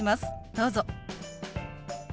どうぞ。